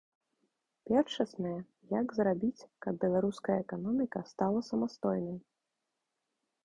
Першаснае, як зрабіць, каб беларуская эканоміка стала самастойнай.